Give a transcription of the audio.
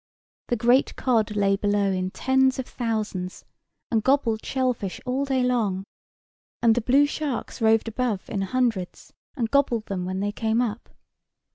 The great cod lay below in tens of thousands, and gobbled shell fish all day long; and the blue sharks roved above in hundreds, and gobbled them when they came up.